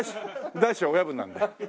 大師は親分なんで。